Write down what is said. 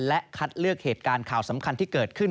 และคัดเลือกเหตุการณ์ข่าวสำคัญที่เกิดขึ้น